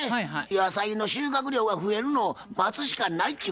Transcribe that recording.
野菜の収穫量が増えるのを待つしかないっちゅう